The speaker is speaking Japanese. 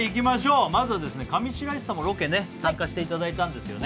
まず上白石さんもロケに参加していただいたんですよね。